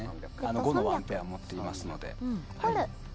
５のワンペア持っていますので。